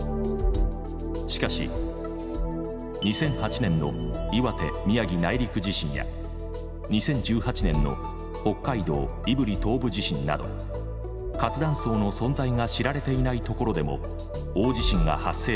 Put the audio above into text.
しかし２００８年の岩手・宮城内陸地震や２０１８年の北海道胆振東部地震など活断層の存在が知られていないところでも大地震が発生しているのです。